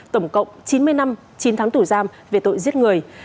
tổng cộng chín mươi năm chín tháng tù giam về tội giết người